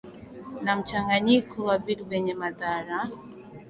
na mchanganyiko wa vitu vyenye madhara